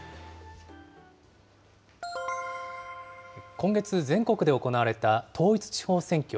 今月、全国で行われた統一地方選挙。